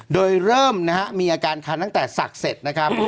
โดยเริ่มนะฮะมีอาการคันตั้งแต่ศักดิ์เสร็จนะครับ